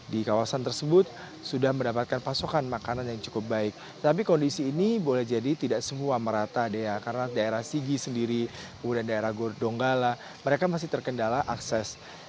di kawasan tersebut sudah mendapatkan pasokan makanan yang cukup baik tapi kondisi ini boleh jadi tidak semua merata dea karena daerah sigi sendiri kemudian daerah donggala mereka masih terkendala akses